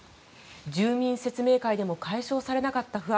住民説明会でも解消されなかった不安。